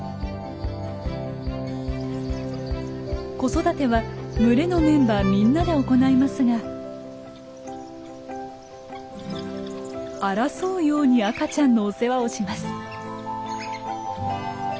子育ては群れのメンバーみんなで行いますが争うように赤ちゃんのお世話をします。